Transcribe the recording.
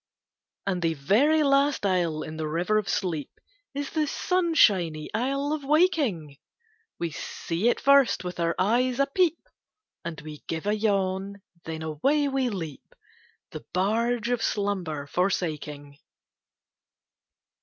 And the very last isle in the River of Sleep Is the sunshiny Isle of Waking. We see it first with our eyes a peep, And we give a yawn—then away we leap, The barge of Slumber forsaking.